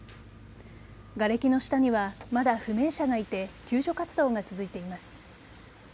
がれきの下にはまだ不明者がいて救助活動が続いています。